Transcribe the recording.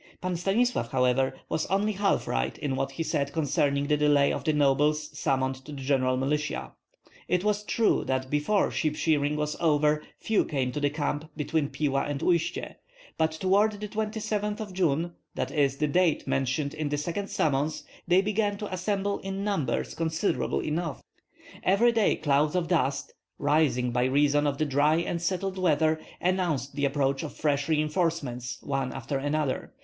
Pan Stanislav, however, was only half right in what he said concerning the delay of the nobles summoned to the general militia. It was true that before sheep shearing was over few came to the camp between Pila and Uistsie; but toward the 27th of June, that is, the date mentioned in the second summons they began to assemble in numbers considerable enough. Every day clouds of dust, rising by reason of the dry and settled weather, announced the approach of fresh reinforcements one after another.